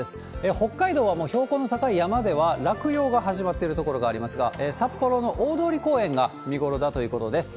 北海道はもう標高の高い山では落葉が始まってる所がありますが、札幌の大通公園が見頃だということです。